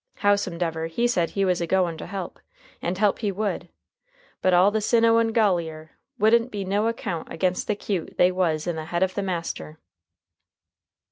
Howsumdever he'd said he was a goin' to help, and help he would; but all the sinno in Golier wouldn't be no account again the cute they was in the head of the master."